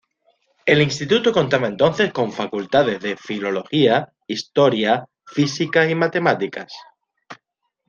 El Instituto contaba entonces con facultades de filología, historia, física y matemáticas.